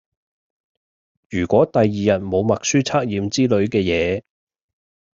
如果第二日冇默書測驗之類嘅野